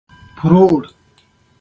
غوږونه له خوشحالۍ نه سندره وايي